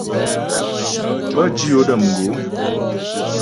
Pə́ dǐ yo də̌m gǒ.